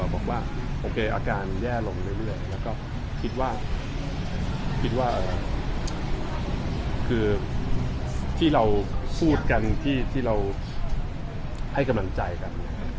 บอกว่าโอเคอาการแย่ลงเรื่อยแล้วก็คิดว่าคิดว่าคือที่เราพูดกันที่เราให้กำลังใจกัน